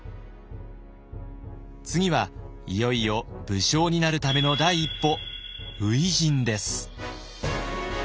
次はいよいよ武将になるための第一歩初陣です。